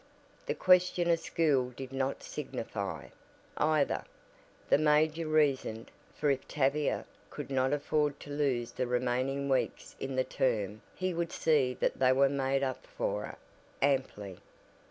The question of school did not signify, either, the major reasoned, for if Tavia could not afford to lose the remaining weeks in the term he would see that they were made up for, amply.